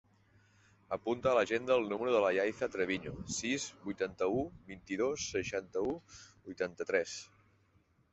Apunta a l'agenda el número de la Yaiza Treviño: sis, vuitanta-u, vint-i-dos, seixanta-u, vuitanta-tres.